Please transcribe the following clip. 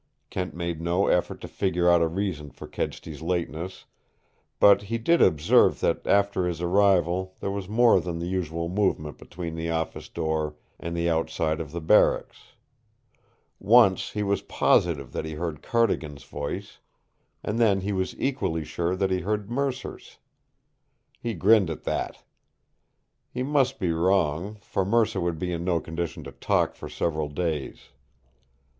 Kent made no effort to figure out a reason for Kedsty's lateness, but he did observe that after his arrival there was more than the usual movement between the office door and the outside of the barracks. Once he was positive that he heard Cardigan's voice, and then he was equally sure that he heard Mercer's. He grinned at that. He must be wrong, for Mercer would be in no condition to talk for several days.